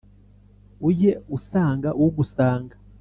ujye usanga ugusanga.